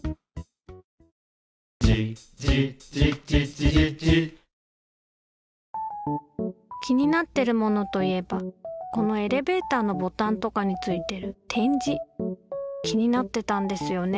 「自自自自自自自」気になってるモノといえばこのエレベーターのボタンとかについてる点字気になってたんですよね。